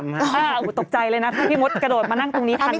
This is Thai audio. โอ้โหตกใจเลยนะถ้าพี่มดกระโดดมานั่งตรงนี้ทัน